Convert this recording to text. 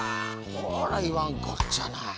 ほらいわんこっちゃない。